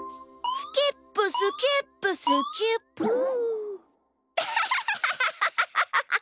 スキップスキップスキップゥ。